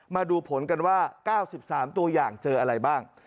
มาดูผลกันว่า๙๓ตัวอย่างเจออะไรบ้าง